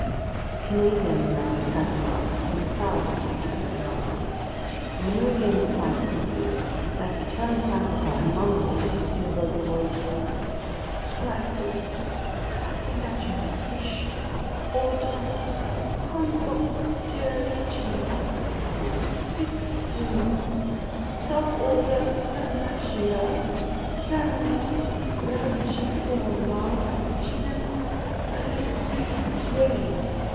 The Canadian and I sat him up; we massaged his contracted arms, and when he regained his five senses, that eternal classifier mumbled in a broken voice: "Class of cartilaginous fish, order Chondropterygia with fixed gills, suborder Selacia, family Rajiiforma, genus electric ray."